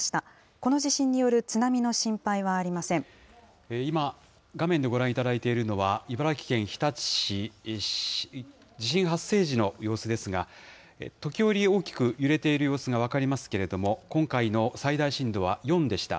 この地震による津波の心配はあり今、画面でご覧いただいているのは、茨城県日立市、地震発生時の様子ですが、時折大きく揺れている様子が分かりますけれども、今回の最大震度は４でした。